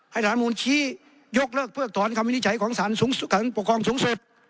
ให้สารมูลชี้ยกเลิกเพิกถอนคำวินิจฉัยของสารปกครองสูงสุด